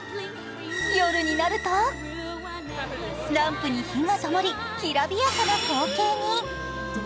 夜になると、ランプに灯がともり、きらびやかな光景に。